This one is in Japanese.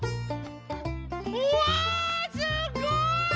うわすごい！